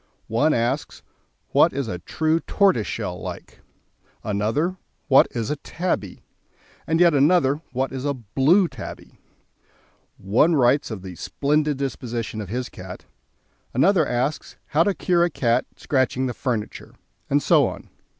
One asks: "What is a true tortoiseshell like?" Another: "What is a tabby?" and yet another: "What is a blue tabby?" One writes of the "splendid disposition" of his cat, another asks how to cure a cat scratching the furniture, and so on.